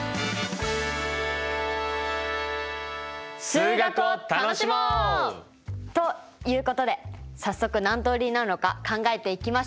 数学を楽しもう！ということで早速何通りになるのか考えていきましょう。